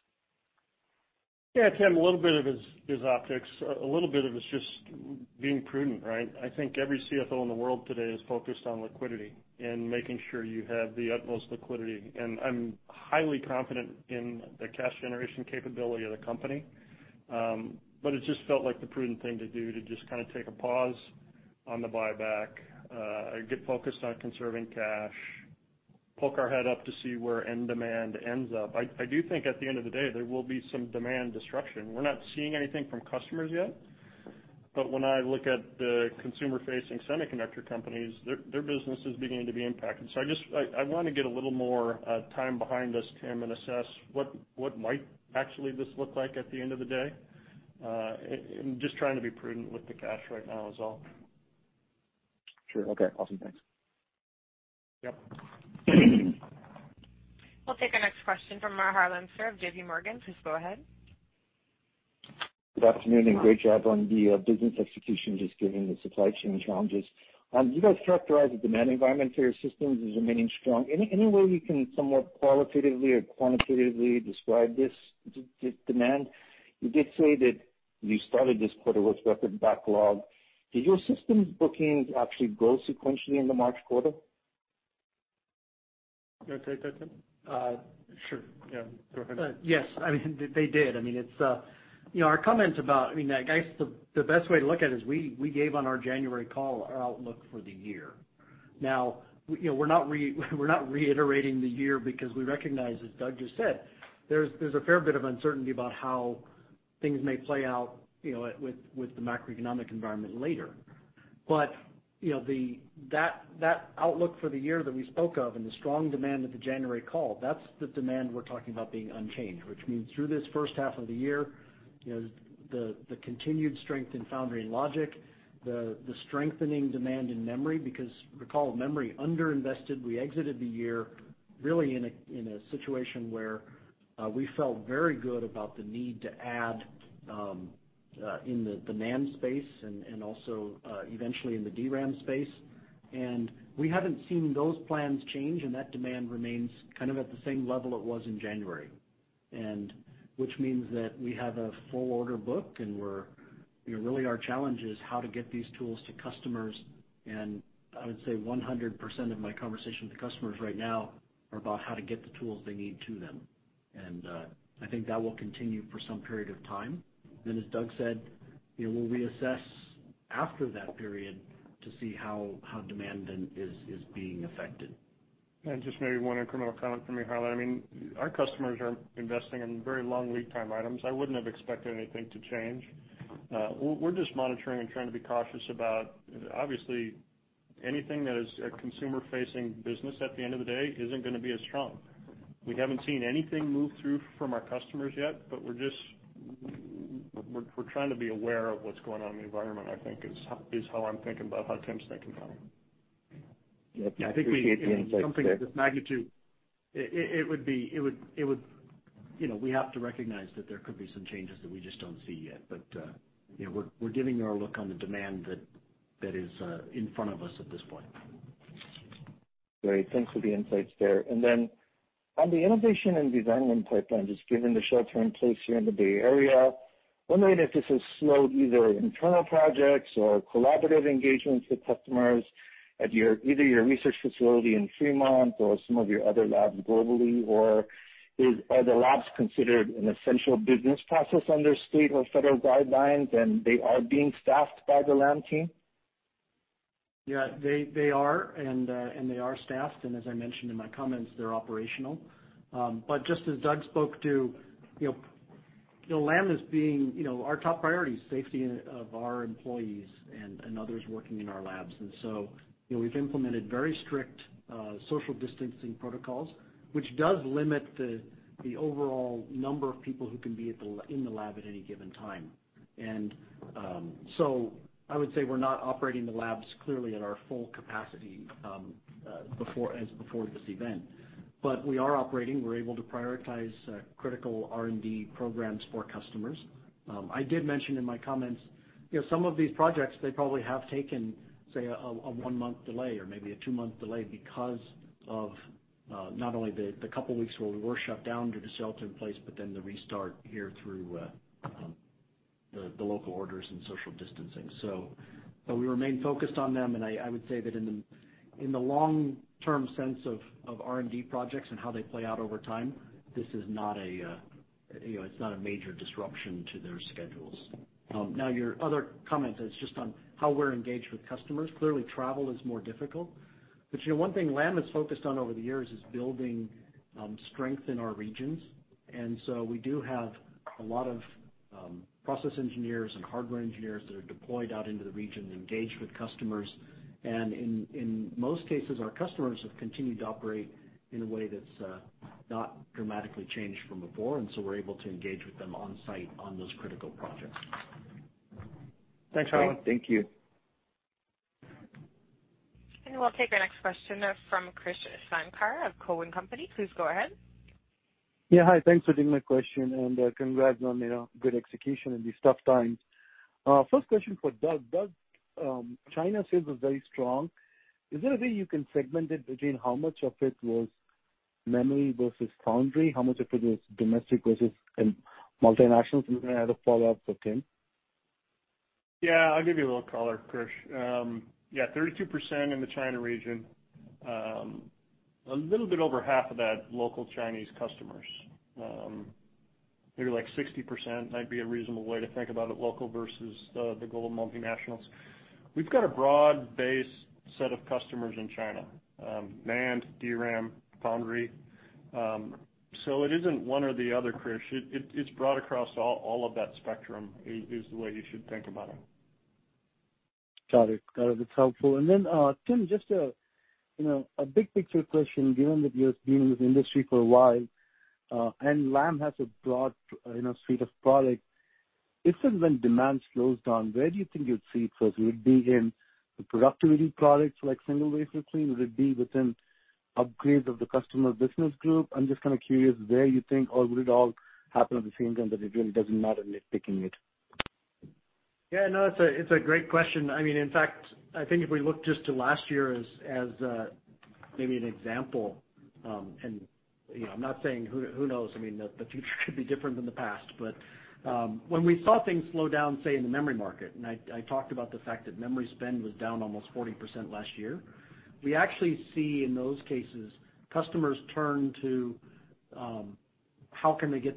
Timothy, a little bit of it is optics. A little bit of it is just being prudent, right? I think every CFO in the world today is focused on liquidity and making sure you have the utmost liquidity. I'm highly confident in the cash generation capability of the company. It just felt like the prudent thing to do, to just kind of take a pause on the buyback, get focused on conserving cash, poke our head up to see where end demand ends up. I do think at the end of the day, there will be some demand disruption. We're not seeing anything from customers yet, but when I look at the consumer-facing semiconductor companies, their business is beginning to be impacted. I want to get a little more time behind us, Tim, and assess what might actually this look like at the end of the day. I'm just trying to be prudent with the cash right now is all. Sure. Okay. Awesome. Thanks. Yep. We'll take our next question from Harlan Sur of JPMorgan. Please go ahead. Good afternoon. Great job on the business execution, just given the supply chain challenges. You guys characterized the demand environment for your systems as remaining strong. Any way you can somewhat qualitatively or quantitatively describe this demand? You did say that you started this quarter with record backlog. Did your systems bookings actually grow sequentially in the March quarter? You want to take that, Tim? Sure. Yeah, go ahead. Yes. They did. I guess the best way to look at it is we gave on our January call our outlook for the year. Now, we're not reiterating the year because we recognize, as Doug just said, there's a fair bit of uncertainty about how things may play out with the macroeconomic environment later. That outlook for the year that we spoke of and the strong demand at the January call, that's the demand we're talking about being unchanged, which means through this first half of the year, the continued strength in foundry and logic, the strengthening demand in memory, because recall, memory under-invested. We exited the year really in a situation where we felt very good about the need to add in the NAND space and also eventually in the DRAM space. We haven't seen those plans change, and that demand remains kind of at the same level it was in January, which means that we have a full order book, and really our challenge is how to get these tools to customers. I would say 100% of my conversation with the customers right now are about how to get the tools they need to them. I think that will continue for some period of time. As Douglas said, we'll reassess after that period to see how demand then is being affected. Just maybe one incremental comment for me, Harlan. Our customers are investing in very long lead time items. I wouldn't have expected anything to change. We're just monitoring and trying to be cautious about, obviously, anything that is a consumer-facing business at the end of the day isn't going to be as strong. We haven't seen anything move through from our customers yet, but we're trying to be aware of what's going on in the environment, I think, is how I'm thinking about how Tim's thinking about it. Yeah. Appreciate the insights there. Something of this magnitude, we have to recognize that there could be some changes that we just don't see yet. We're giving you our look on the demand that is in front of us at this point. Great. Thanks for the insights there. On the innovation and design win pipeline, just given the shelter in place here in the Bay Area, wondering if this has slowed either internal projects or collaborative engagements with customers at either your research facility in Fremont or some of your other labs globally, or are the labs considered an essential business process under state or federal guidelines, and they are being staffed by the Lam team? Yeah. They are, they are staffed, as I mentioned in my comments, they're operational. Just as Douglas spoke to, Our top priority is safety of our employees and others working in our labs. We've implemented very strict social distancing protocols, which does limit the overall number of people who can be in the lab at any given time. I would say we're not operating the labs clearly at our full capacity as before this event. We are operating. We're able to prioritize critical R&D programs for customers. I did mention in my comments, some of these projects, they probably have taken, say, a one-month delay or maybe a two-month delay because of not only the couple of weeks where we were shut down due to shelter in place, but then the restart here through the local orders and social distancing. We remain focused on them, and I would say that in the long-term sense of R&D projects and how they play out over time, it's not a major disruption to their schedules. Now, your other comment is just on how we're engaged with customers. One thing Lam has focused on over the years is building strength in our regions. We do have a lot of process engineers and hardware engineers that are deployed out into the region, engaged with customers. In most cases, our customers have continued to operate in a way that's not dramatically changed from before, and so we're able to engage with them on-site on those critical projects. Thanks, Harlan. Thank you. We'll take our next question from Krish Sankar of TD Cowen. Please go ahead. Yeah. Hi. Thanks for taking my question and congrats on your good execution in these tough times. First question for Doug. Doug, China sales was very strong. Is there a way you can segment it between how much of it was memory versus foundry, how much of it was domestic versus multinationals? I had a follow-up for Tim. I'll give you a little color, Krish. 32% in the China region. A little bit over half of that, local Chinese customers. Maybe like 60% might be a reasonable way to think about it, local versus the global multinationals. We've got a broad base set of customers in China, NAND, DRAM, foundry. It isn't one or the other, Krish. It's broad across all of that spectrum, is the way you should think about it. Got it. It's helpful. Tim, just a big picture question, given that you have been in this industry for a while, and Lam has a broad suite of products. If and when demand slows down, where do you think you'd see it first? Would it be in the productivity products, like single wafer clean? Would it be within upgrades of the customer business group? I'm just kind of curious where you think, or would it all happen at the same time that it really doesn't matter picking it. Yeah, no, it's a great question. In fact, I think if we look just to last year as maybe an example, and I'm not saying who knows, the future could be different than the past. When we saw things slow down, say, in the memory market, and I talked about the fact that memory spend was down almost 40% last year. We actually see, in those cases, customers turn to how can they get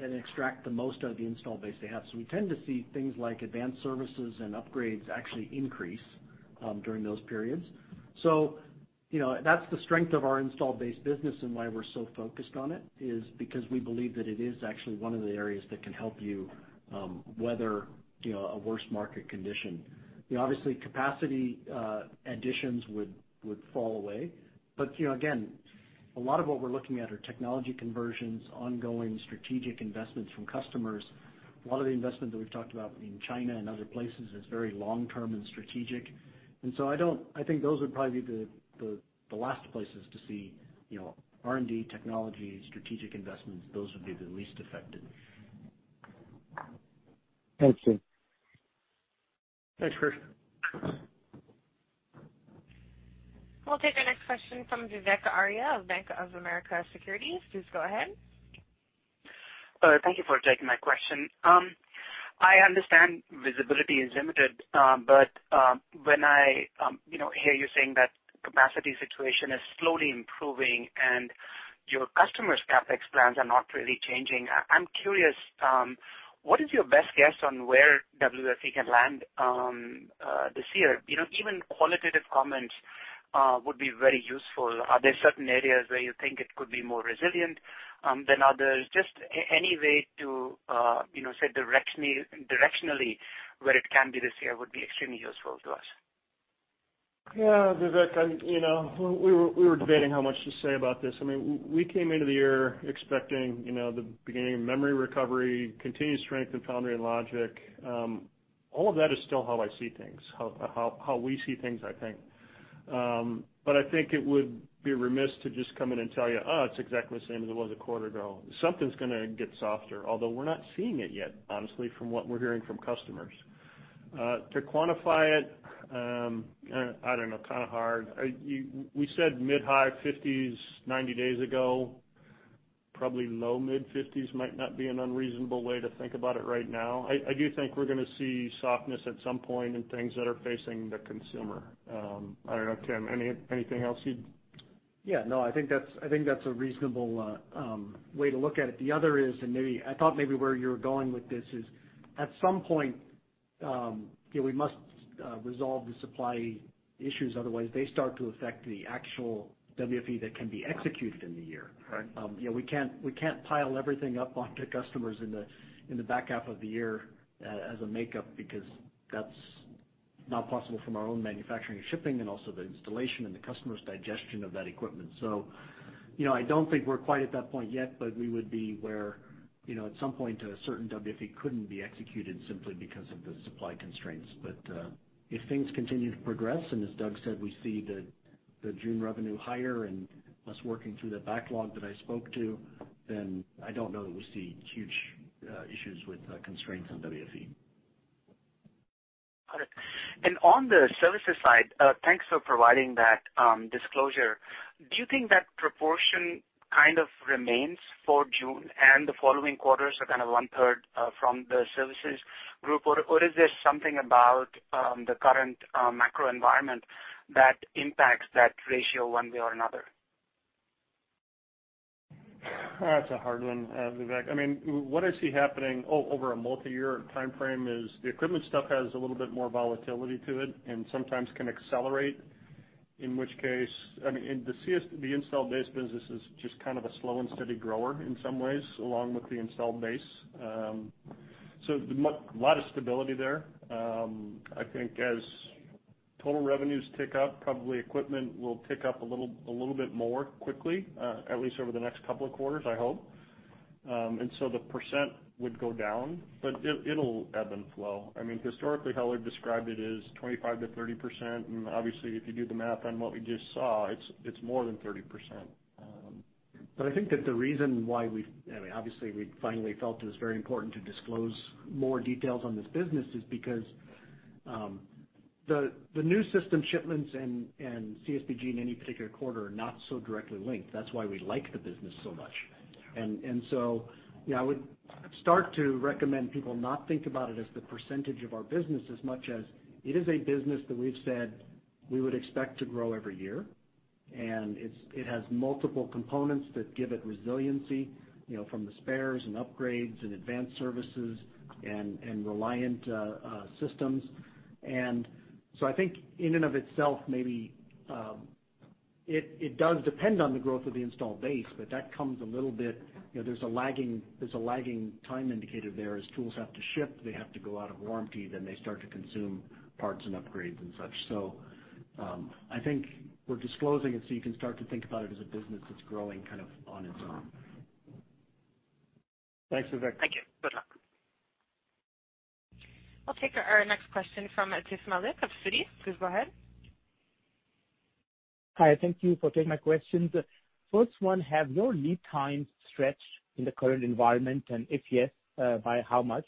and extract the most out of the installed base they have. We tend to see things like advanced services and upgrades actually increase during those periods. That's the strength of our installed base business and why we're so focused on it, is because we believe that it is actually one of the areas that can help you weather a worse market condition. Obviously, capacity additions would fall away. Again, a lot of what we're looking at are technology conversions, ongoing strategic investments from customers. A lot of the investment that we've talked about in China and other places is very long-term and strategic. I think those would probably be the last places to see R&D technology, strategic investments. Those would be the least affected. Thank you. Thanks, Krish. We'll take our next question from Vivek Arya of Bank of America Securities. Please go ahead. Thank you for taking my question. I understand visibility is limited, but when I hear you saying that capacity situation is slowly improving and your customers' CapEx plans are not really changing, I'm curious, what is your best guess on where WFE can land this year? Even qualitative comments would be very useful. Are there certain areas where you think it could be more resilient than others? Just any way to say directionally where it can be this year would be extremely useful to us. Yeah, Vivek, we were debating how much to say about this. We came into the year expecting the beginning of memory recovery, continued strength in foundry and logic. All of that is still how I see things, how we see things, I think. I think it would be remiss to just come in and tell you, "Oh, it's exactly the same as it was a quarter ago." Something's going to get softer, although we're not seeing it yet, honestly, from what we're hearing from customers. To quantify it, I don't know, kind of hard. We said mid-high 50s 90 days ago. Probably low-mid 50s might not be an unreasonable way to think about it right now. I do think we're going to see softness at some point in things that are facing the consumer. I don't know, Tim, anything else you'd. Yeah, no, I think that's a reasonable way to look at it. The other is, and I thought maybe where you were going with this is, at some point, we must resolve the supply issues, otherwise they start to affect the actual WFE that can be executed in the year. Right. We can't pile everything up onto customers in the back half of the year as a makeup, because that's not possible from our own manufacturing and shipping, and also the installation and the customer's digestion of that equipment. I don't think we're quite at that point yet, but we would be where at some point, a certain WFE couldn't be executed simply because of the supply constraints. If things continue to progress, and as Doug said, we see the June revenue higher and us working through the backlog that I spoke to, then I don't know that we see huge issues with constraints on WFE. Got it. On the services side, thanks for providing that disclosure. Do you think that proportion kind of remains for June and the following quarters are kind of one-third from the services group, or is there something about the current macro environment that impacts that ratio one way or another? That's a hard one, Vivek. What I see happening over a multi-year timeframe is the equipment stuff has a little bit more volatility to it and sometimes can accelerate, in which case, the installed base business is just kind of a slow and steady grower in some ways, along with the installed base. A lot of stability there. I think as total revenues tick up, probably equipment will tick up a little bit more quickly, at least over the next couple of quarters, I hope. The % would go down, but it'll ebb and flow. Historically, Heller described it as 25%-30%, obviously if you do the math on what we just saw, it's more than 30%. I think that the reason why we finally felt it was very important to disclose more details on this business is because the new system shipments and CSBG in any particular quarter are not so directly linked. That's why we like the business so much. I would start to recommend people not think about it as the % of our business, as much as it is a business that we've said we would expect to grow every year. It has multiple components that give it resiliency, from the spares and upgrades and advanced services and Reliant systems. I think in and of itself, maybe it does depend on the growth of the installed base, but that comes a little bit, there's a lagging time indicator there. As tools have to ship, they have to go out of warranty, then they start to consume parts and upgrades and such. I think we're disclosing it so you can start to think about it as a business that's growing kind of on its own. Thanks, Vivek. Thank you. Good luck. We'll take our next question from Atif Malik of Citi. Please go ahead. Hi, thank you for taking my questions. First one, have your lead times stretched in the current environment, and if yes, by how much?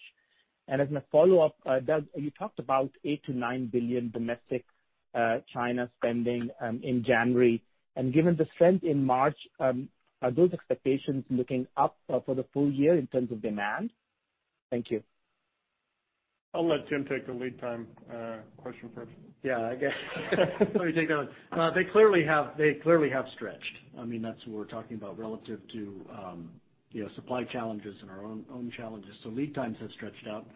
As my follow-up, Doug, you talked about $8 billion-$9 billion domestic China spending in January. Given the strength in March, are those expectations looking up for the full year in terms of demand? Thank you. I'll let Tim take the lead time question first. I guess let me take that one. They clearly have stretched. That's what we're talking about relative to supply challenges and our own challenges. Lead times have stretched out.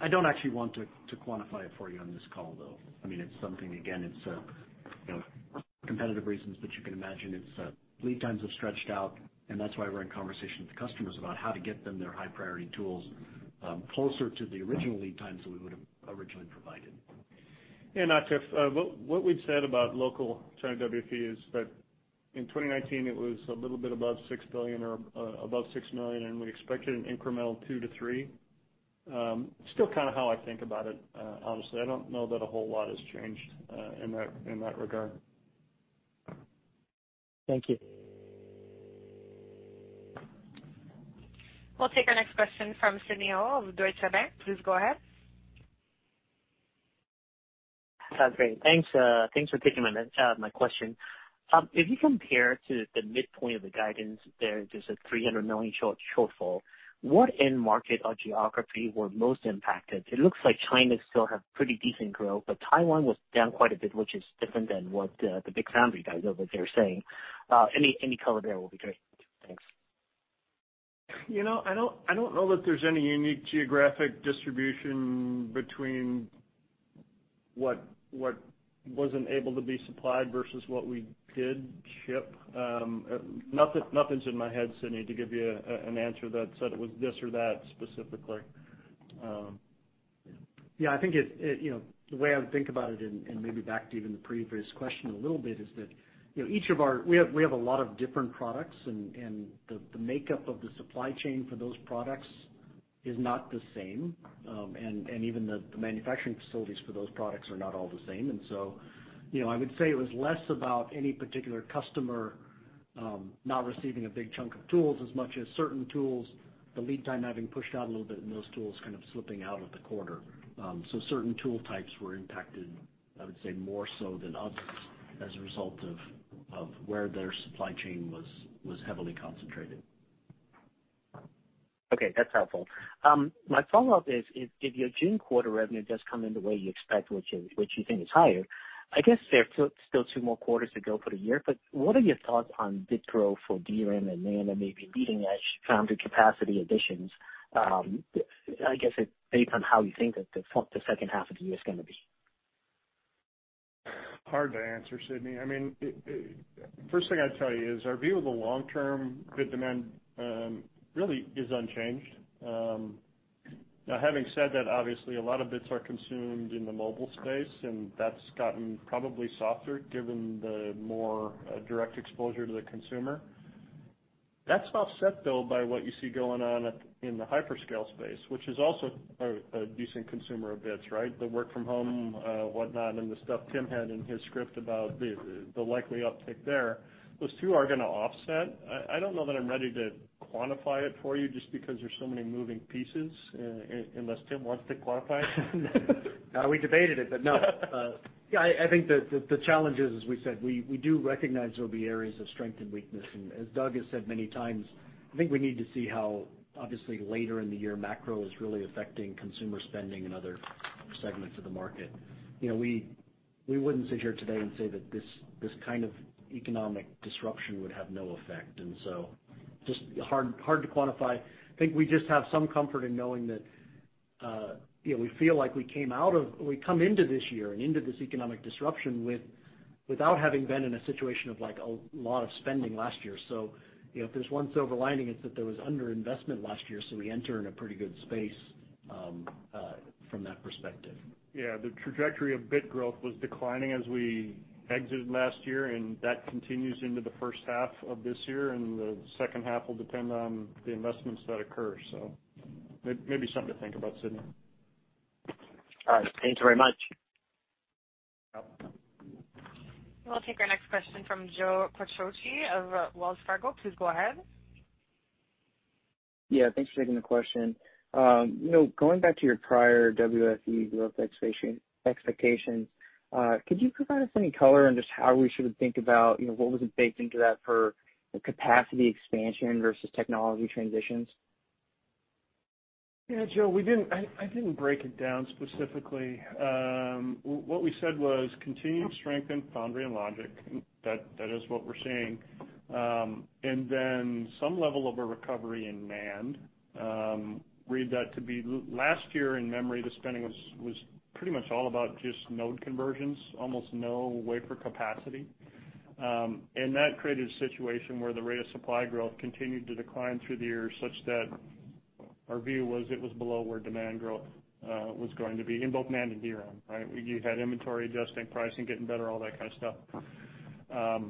I don't actually want to quantify it for you on this call, though. It's something, again, it's competitive reasons, but you can imagine lead times have stretched out, and that's why we're in conversation with the customers about how to get them their high-priority tools closer to the original lead times that we would've originally provided. Atif, what we've said about local China WFE is that in 2019, it was a little bit above $6 billion or above $6 million, and we expected an incremental two to three. Still kind of how I think about it. Honestly, I don't know that a whole lot has changed in that regard. Thank you. We'll take our next question from Sidney Ho of Deutsche Bank. Please go ahead. Sounds great. Thanks for taking my question. If you compare to the midpoint of the guidance there's a $300 million shortfall. What end market or geography were most impacted? It looks like China still have pretty decent growth, but Taiwan was down quite a bit, which is different than what the big foundry guys over there are saying. Any color there will be great. Thanks. I don't know that there's any unique geographic distribution between what wasn't able to be supplied versus what we did ship. Nothing's in my head, Sidney, to give you an answer that said it was this or that specifically. Yeah, I think the way I would think about it, and maybe back to even the previous question a little bit, is that we have a lot of different products, and the makeup of the supply chain for those products is not the same. Even the manufacturing facilities for those products are not all the same. I would say it was less about any particular customer not receiving a big chunk of tools as much as certain tools, the lead time having pushed out a little bit and those tools kind of slipping out of the quarter. Certain tool types were impacted, I would say, more so than others as a result of where their supply chain was heavily concentrated. Okay, that's helpful. My follow-up is, if your June quarter revenue does come in the way you expect, which you think is higher, I guess there are still two more quarters to go for the year, what are your thoughts on bit growth for DRAM and NAND and maybe leading-edge foundry capacity additions? I guess based on how you think that the second half of the year is going to be. Hard to answer, Sidney. Now, having said that, obviously a lot of bits are consumed in the mobile space, and that's gotten probably softer given the more direct exposure to the consumer. That's offset, though, by what you see going on in the hyperscale space, which is also a decent consumer of bits, right? The work from home, whatnot, and the stuff Tim had in his script about the likely uptick there. Those two are going to offset. I don't know that I'm ready to quantify it for you just because there's so many moving pieces, unless Tim wants to quantify it. We debated it, no. I think that the challenge is, as we said, we do recognize there'll be areas of strength and weakness. As Doug has said many times, I think we need to see how, obviously later in the year, macro is really affecting consumer spending and other segments of the market. We wouldn't sit here today and say that this kind of economic disruption would have no effect, just hard to quantify. I think we just have some comfort in knowing that we feel like we come into this year and into this economic disruption without having been in a situation of a lot of spending last year. If there's one silver lining, it's that there was underinvestment last year, we enter in a pretty good space from that perspective. Yeah. The trajectory of bit growth was declining as we exited last year. That continues into the first half of this year, and the second half will depend on the investments that occur. Maybe something to think about, Sidney. All right. Thank you very much. We'll take our next question from Joe Quatrochi of Wells Fargo. Please go ahead. Thanks for taking the question. Going back to your prior WFE growth expectations, could you provide us any color on just how we should think about what was baked into that for capacity expansion versus technology transitions? Yeah, Joe, I didn't break it down specifically. What we said was continued strength in foundry and logic. That is what we're seeing. Some level of a recovery in NAND. Read that to be last year in memory, the spending was pretty much all about just node conversions, almost no wafer capacity. That created a situation where the rate of supply growth continued to decline through the year, such that our view was it was below where demand growth was going to be in both NAND and DRAM, right? You had inventory adjusting, pricing getting better, all that kind of stuff.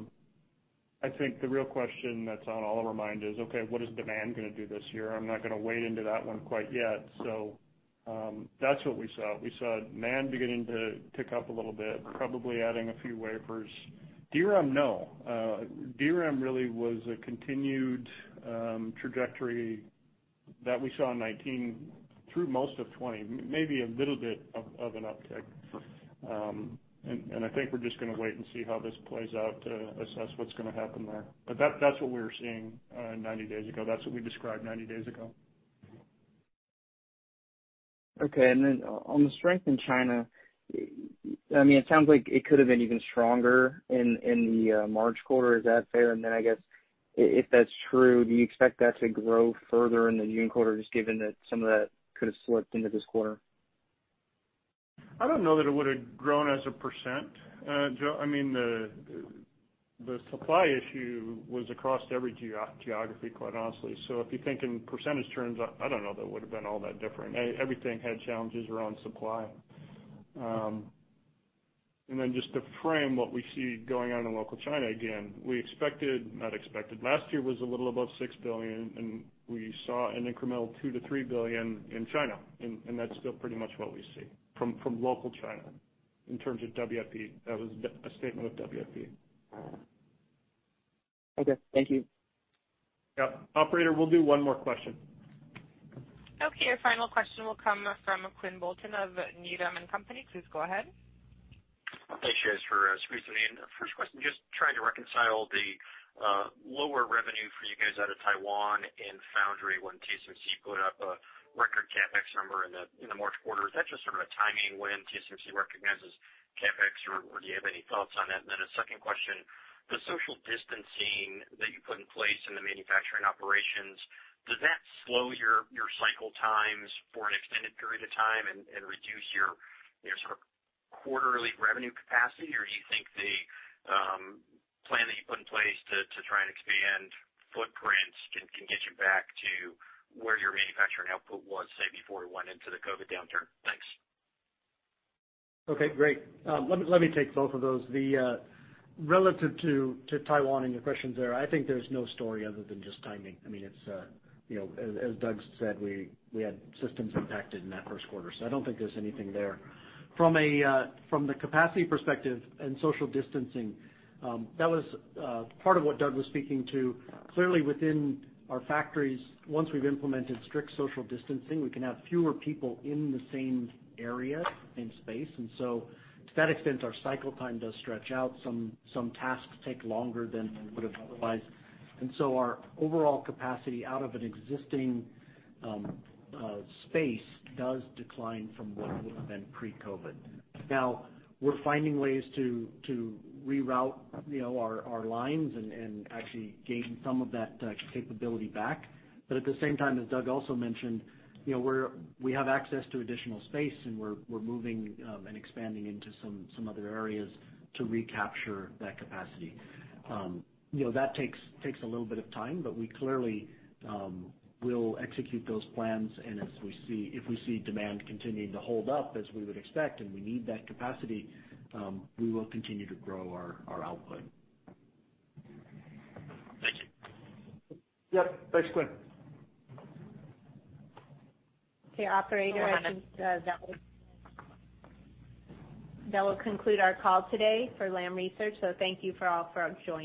I think the real question that's on all of our mind is, okay, what is demand going to do this year? I'm not going to wade into that one quite yet. That's what we saw. We saw NAND beginning to tick up a little bit, probably adding a few wafers. DRAM, no. DRAM really was a continued trajectory that we saw in 2019 through most of 2020, maybe a little bit of an uptick. I think we're just going to wait and see how this plays out to assess what's going to happen there. That's what we were seeing 90 days ago. That's what we described 90 days ago. Okay. On the strength in China, it sounds like it could have been even stronger in the March quarter. Is that fair? I guess, if that's true, do you expect that to grow further in the June quarter, just given that some of that could have slipped into this quarter? I don't know that it would have grown as a percent, Joe. The supply issue was across every geography, quite honestly. If you think in percent terms, I don't know that it would have been all that different. Everything had challenges around supply. Just to frame what we see going on in local China, again, we expected, not expected, last year was a little above $6 billion, and we saw an incremental $2 billion-$3 billion in China, and that's still pretty much what we see from local China in terms of WFE. Okay. Thank you. Yep. Operator, we'll do one more question. Okay, your final question will come from Quinn Bolton of Needham & Company. Please go ahead. Thanks you guys for squeezing me in. First question, just trying to reconcile the lower revenue for you guys out of Taiwan and Foundry when TSMC put up a record CapEx number in the March quarter. Is that just sort of a timing when TSMC recognizes CapEx, or do you have any thoughts on that? A second question, the social distancing that you put in place in the manufacturing operations, does that slow your cycle times for an extended period of time and reduce your sort of quarterly revenue capacity, or do you think the plan that you put in place to try and expand footprints can get you back to where your manufacturing output was, say, before we went into the COVID-19 downturn? Thanks. Okay, great. Let me take both of those. Relative to Taiwan and your questions there, I think there's no story other than just timing. As Doug said, we had systems impacted in that first quarter. I don't think there's anything there. From the capacity perspective and social distancing, that was part of what Doug was speaking to. Clearly, within our factories, once we've implemented strict social distancing, we can have fewer people in the same area and space. To that extent, our cycle time does stretch out. Some tasks take longer than they would have otherwise. Our overall capacity out of an existing space does decline from what it would have been pre-COVID. Now, we're finding ways to reroute our lines and actually gain some of that capability back. At the same time, as Doug also mentioned, we have access to additional space, and we're moving and expanding into some other areas to recapture that capacity. That takes a little bit of time, but we clearly will execute those plans, and if we see demand continuing to hold up as we would expect, and we need that capacity, we will continue to grow our output. Thank you. Yep. Thanks, Quinn. Okay, operator. One moment. I think that will conclude our call today for Lam Research. Thank you for all for joining.